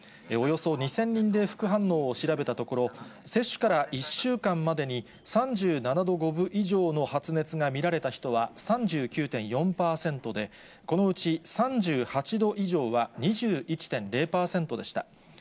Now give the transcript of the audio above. およそ２０００人で副反応を調べたところ、接種から１週間までに、３７度５分以上の発熱が見られた人は３９．４％で、このうち３８度以上は２１．０％でした。